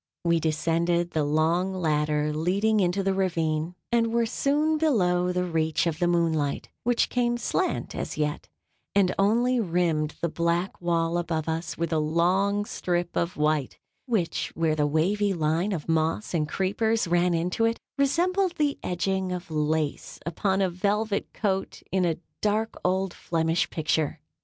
We descended the long ladder leading into the ravine, and were soon below the reach of the moonlight, which came slant as yet, and only rimmed the black wall above us with a long strip of white, which, where the wavy line of moss and creepers ran into it, resembled the edging of lace upon a velvet coat in a dark old Flemish picture.